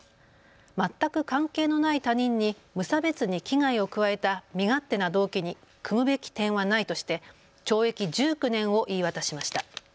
全く関係のない他人に無差別に危害を加えた身勝手な動機に酌むべき点はないとして懲役１９年を言い渡しました。